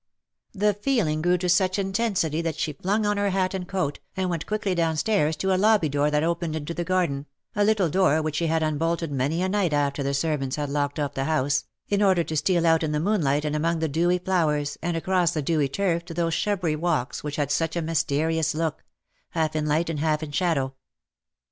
The feeling grew to such intensity that she flung on her hat and cloak, and went quickly downstairs to a lobby door that opened into the garden, a little door which she had unbolted many a night after the servants had locked up the house, in order to steal out in the moonlight and among the dewy flowers, and across the dewy turf to those shrubbery walks which had such a mysterious look — half in light and half in shadow.